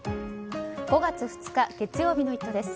５月２日、月曜日の「イット！」です。